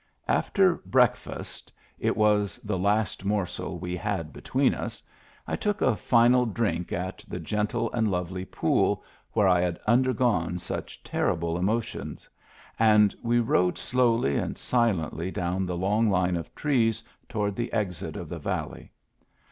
After breakfast — it was the Digitized by Google 2o6 MEMBERS OF THE FAMILY last morsel we had between us — I took a final drink at the gentle and lovely pool where I had undergone such terrible emotions, and we rode slowly and silently down the long line of trees toward the exit of the valley.